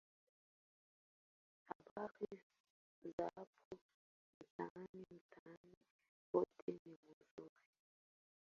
habari za hapo mtaani mtaani kote ni kuzuri